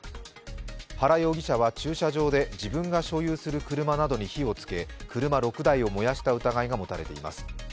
原容疑者は駐車場で自分が所有する車などに火をつけ車６台を燃やした疑いが持たれています。